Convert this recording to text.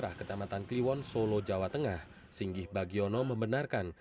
kecamatan kliwon solo jawa tengah singgih bagiono membenarkan